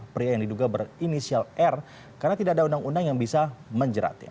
pria yang diduga berinisial r karena tidak ada undang undang yang bisa menjeratnya